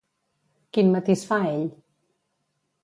Quin matís fa ell?